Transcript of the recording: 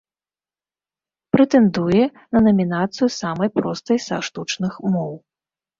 Прэтэндуе на намінацыю самай простай са штучных моў.